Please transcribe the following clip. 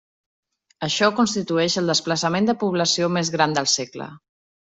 Això constitueix el desplaçament de població més gran del segle.